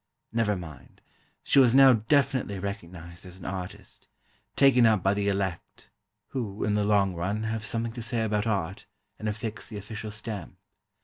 Never mind—she was now definitely recognized as an Artist—taken up by the elect, who in the long run, have something to say about Art, and affix the official stamp.